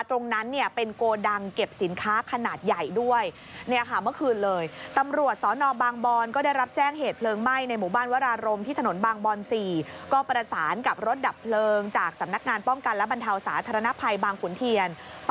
ตรงนั้นเนี้ยเป็นโกดังเก็บสินค้าขนาดใหญ่ด้วยมักคืนเลย